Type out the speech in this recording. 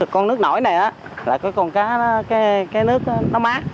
con nước nổi này là con cá nước nó mát